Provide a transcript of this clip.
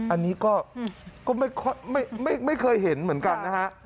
อันนี้ก็ไม่เคยเห็นเหมือนกันนะฮะ